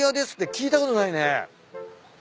聞いたことないね。